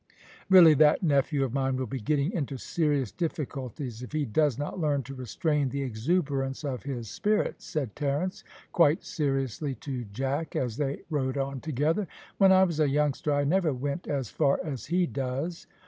"Really that nephew of mine will be getting into serious difficulties if he does not learn to restrain the exuberance of his spirits," said Terence quite seriously to Jack, as they rode on together. "When I was a youngster I never went as far as he does."